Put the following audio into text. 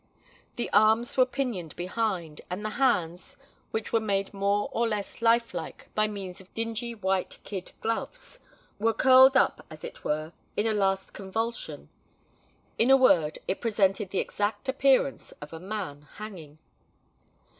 The arms were pinioned behind; and the hands, which were made more or less life like by means of dingy white kid gloves, were curled up as it were in a last convulsion. In a word, it presented the exact appearance of a man hanging.